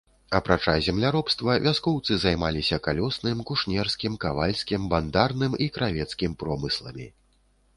Апрача земляробства вяскоўцы займаліся калёсным, кушнерскім, кавальскім, бандарным і кравецкім промысламі.